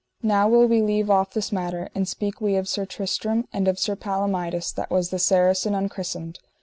Now will we leave off this matter, and speak we of Sir Tristram, and of Sir Palomides that was the Saracen unchristened.